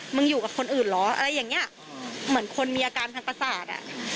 อยู่กับคนอื่นเหรออะไรอย่างเงี้ยเหมือนคนมีอาการทางประสาทอ่ะ